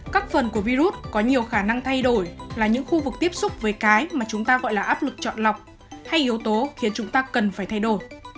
các phần của virus có nhiều khả năng thay đổi là những khu vực tiếp xúc với cái mà chúng ta gọi là áp lực chọn lọc hay yếu tố khiến chúng ta cần phải thay đổi